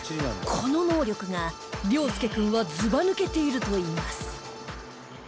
この能力が諒祐君はずば抜けているといいます